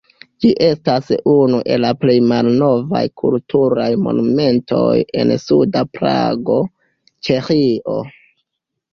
Ĝi estas unu el la plej malnovaj kulturaj monumentoj en suda Prago, Ĉeĥio.